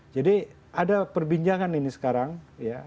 jadi ada perbincangan ini sekarang ya